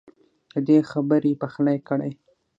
ددې خبر پخلی کړی